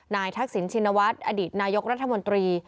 ทักษิณชินวัฒน์อดีตนายกรัฐมนตรี